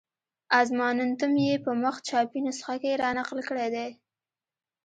اظماننتم یې په مخ چاپي نسخه کې را نقل کړی دی.